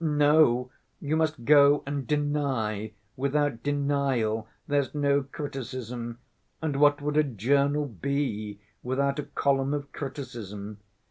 'No, you must go and deny, without denial there's no criticism and what would a journal be without a column of criticism?